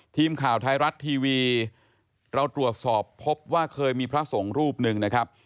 ทีมข่าวไทยรัฐทีวีเราตรวจสอบพบว่าเคยมีพระสงฆ์รูปหนึ่งนะครับ